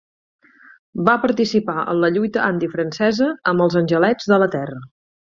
Va participar en la lluita antifrancesa amb els angelets de la terra.